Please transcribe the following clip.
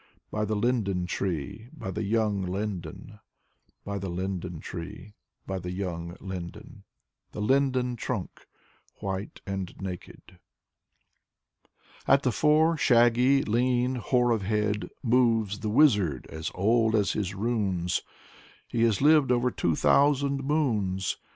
By the linden tree, by the young linden, By the linden tree, by the young linden, The linden trunk White and naked. At the fore, shaggy, lean, hoar of head, Moves the wizard, as old as his runes; He has lived over two thousand moons.